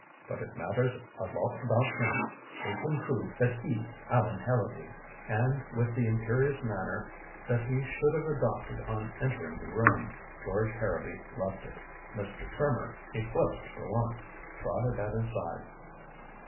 But it matters a lot about him. Make him prove that he's Allan Harrowby." And, with the imperious manner that he should have adopted on entering the room, George Harrowby left it. Mr. Trimmer, eclipsed for once, trotted at his side.